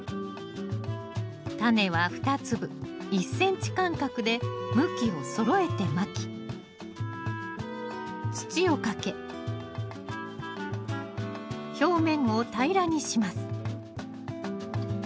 タネは２粒１ｃｍ間隔で向きをそろえてまき土をかけ表面を平らにします。